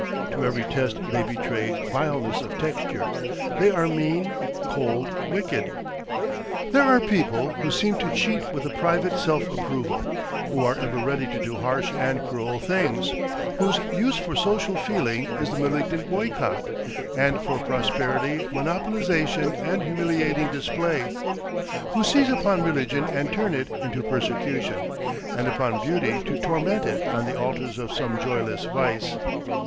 To every test they betray vileness of texture; they are mean, cold, wicked. There are people who seem to cheat with a private self approval, who are ever ready to do harsh and cruel things, whose use for social feeling is the malignant boycott, and for prosperity, monopolisation and humiliating display; who seize upon religion and turn it into persecution, and upon beauty to torment it on the altars of some joyless vice.